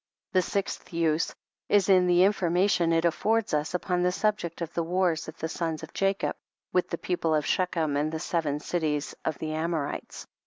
The sixth use is in the in formation it affords us upon the subject of the wars of the sons of Jacob with the people of Shechem and the seven cities of the Amorites.